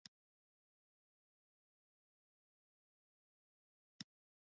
چین په افریقا کې سړکونه جوړوي.